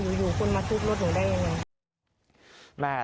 อยู่คนมาทุบรถหนูได้ยังไง